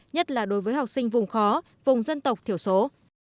nhất là đối với học sinh vùng khó vùng dân tộc thiểu số